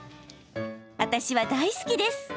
私は大好きです。